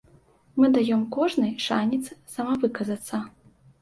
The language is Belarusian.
Мы даём кожнай шанец самавыказацца.